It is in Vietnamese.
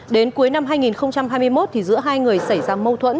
đến cuối năm hai nghìn hai mươi một giữa hai người xảy ra mâu thuẫn